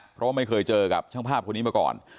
เพราะว่าไม่เคยเจอกับช่างภาพคนนี้มาก่อน